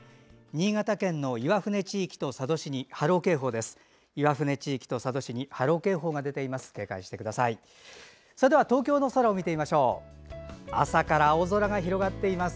新潟県の岩船地域と佐渡市に波浪警報が出ています。